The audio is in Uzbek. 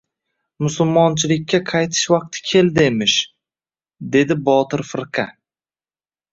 «Musulmonchilikka qaytish vaqti keldi emish, — dedi Botir firqa.